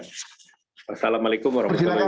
kembalikan assalamu'alaikum warahmatullahi wabarakatuh